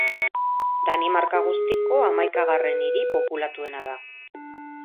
Danimarka guztiko hamaikagarren hiri populatuena da.